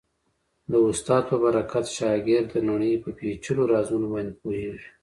د استاد په برکت شاګرد د نړۍ په پېچلو رازونو باندې پوهېږي.